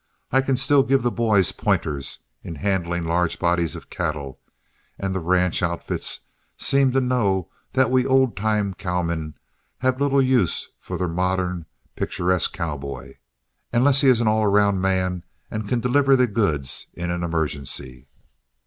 I can still give the boys pointers in handling large bodies of cattle, and the ranch outfits seem to know that we old time cowmen have little use for the modern picturesque cowboy, unless he is an all round man and can deliver the goods in any emergency.